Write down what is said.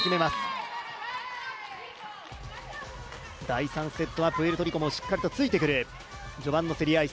第３セットはプエルトリコもしっかりついてくる序盤の競り合い。